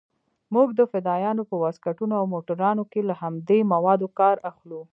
موږ د فدايانو په واسکټونو او موټرانو کښې له همدې موادو کار اخلو.